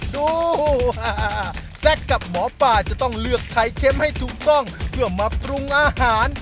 ดูแซคกับหมอป้าจะต้องเลือกไข่เค็มให้ถูกต้องเพื่อมาปรุงอาหาร